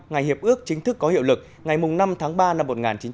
ngày hiệp ước chính thức có hiệu lực ngày năm tháng ba năm một nghìn chín trăm tám mươi